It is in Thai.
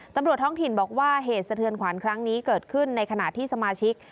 ตำรวจท้องถิ่นบอกว่าเหตุสะเทือนขวานครั้งนี้เกิดขึ้นในขณะที่สมาชิก